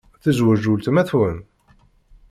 Tezweǧ weltma-twen?